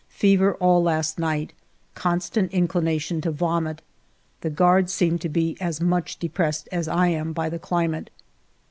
Fever all last night ; constant inclination to vomit. The guards seem to be as much ae pressed as I am by the climate.